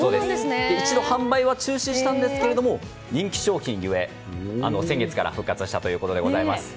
販売は中止したんですが人気商品ゆえ先月から復活したということでございます。